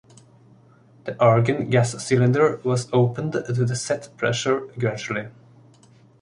The argon gas cylinder was opened to the set pressure gradually.